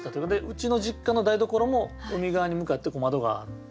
うちの実家の台所も海側に向かって窓があって。